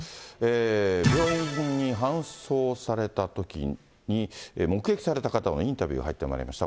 病院に搬送されたときに、目撃された方のインタビュー、入ってまいりました。